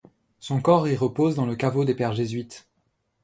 Son corps y repose dans le caveau des Pères Jésuites.